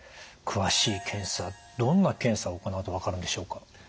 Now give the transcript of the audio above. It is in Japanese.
詳しい検査どんな検査を行うと分かるんでしょうか？